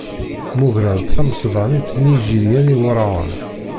Mmugreɣ-d tamesbanit n Yijiliyen Iwraɣen.